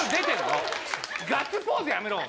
ガッツポーズやめろ。